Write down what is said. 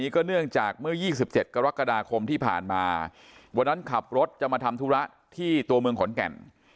ก็เนื่องจากเมื่อ๒๗กรกฎาคมที่ผ่านมาวันนั้นขับรถจะมาทำธุระที่ตัวเมืองขอนแก่น